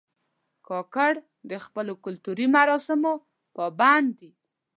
کاکړ د خپلو کلتوري مراسمو پابند دي.